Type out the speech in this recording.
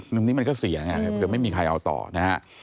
อันนี้มันก็เสียไม่มีใครเอาต่อนะครับ